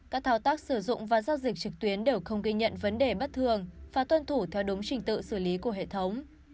các thao tác sử dụng và giao dịch trực tuyến đều không ghi nhận vấn đề bất thường và tuân thủ theo đúng trình tự xử lý của hệ thống